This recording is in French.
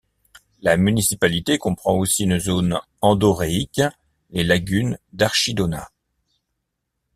La municipalité comprend aussi une zone endoréique, les lagunes d'Archidona.